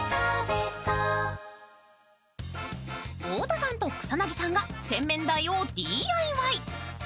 太田さんと草薙さんが洗面台をＤＩＹ。